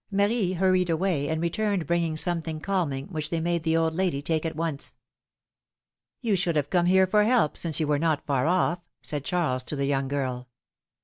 Marie hurried away, and returned bringing something calming, which they made the old lady take at once. You should have come here for help, since you were not far oS*!" said Charles to the young girl.